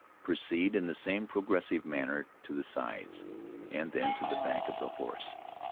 "Proceed in the same progressive manner to the sides, and then to the back of the horse.